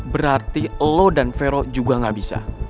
berarti lo dan vero juga gak bisa